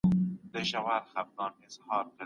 کمپيوټر اعلان کوي.